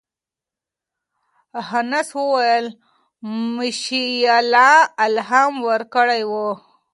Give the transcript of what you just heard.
هانس وویل میشایلا الهام ورکړی و.